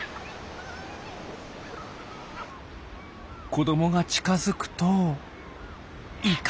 子どもが近づくと威嚇！